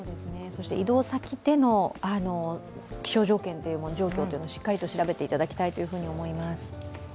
移動先での気象状況も、しっかり調べていただきたいと思います。